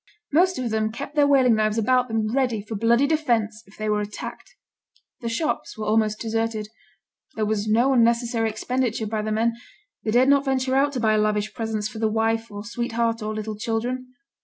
Most of them kept their whaling knives about them ready for bloody defence if they were attacked. The shops were almost deserted; there was no unnecessary expenditure by the men; they dared not venture out to buy lavish presents for the wife or sweetheart or little children.